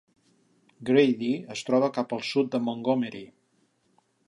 Grady es troba cap al sud de Montgomery.